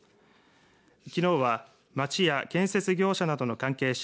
きのうは町や建設業者などの関係者